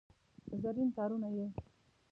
زرین تارونه یې